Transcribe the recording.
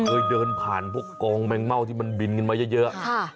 เคยเดินผ่านพวกกองแมงเม่าที่มันบินกันมาเยอะ